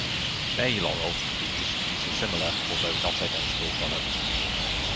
Bay laurel can be used to produce a similar, although not identical, product.